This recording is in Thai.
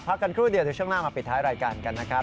กันครู่เดียวเดี๋ยวช่วงหน้ามาปิดท้ายรายการกันนะครับ